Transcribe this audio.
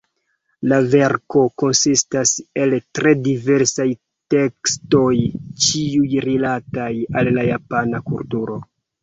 La verko konsistas el tre diversaj tekstoj, ĉiuj rilataj al la Japana kulturo.